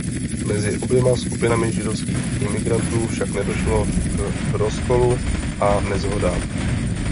Mezi oběma skupinami židovských imigrantů však došlo k rozkolu a neshodám.